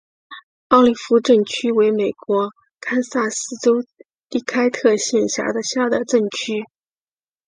奥利夫镇区为美国堪萨斯州第开特县辖下的镇区。